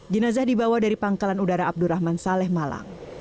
jenazah dibawa dari pangkalan udara abdurrahman saleh malang